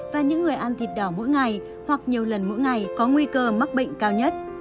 và những người ăn thịt đỏ mỗi ngày hoặc nhiều lần mỗi ngày có nguy cơ mắc bệnh cao nhất